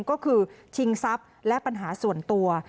ก็คือชิงทรัพย์และปัญหาส่วนตัว